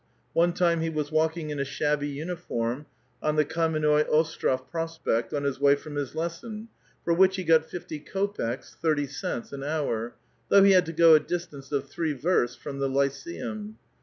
One time he was walking in a shabby uniform on the Kammenoi Ostrof Prospekt, on his way from his lesson, for which he got fifty kopeks (thirty cents) an hour, though he had to go a distance of three versts from the lyceum.